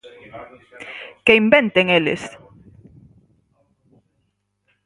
"Que inventen eles!".